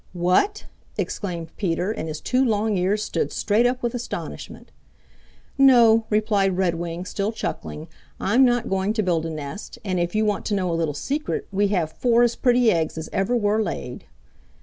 "What?" exclaimed Peter, and his two long ears stood straight up with astonishment. "No," replied Redwing, still chuckling. "I'm not going to build a nest, and if you want to know a little secret, we have four as pretty eggs as ever were laid."